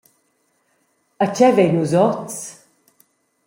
E tgei vein nus oz?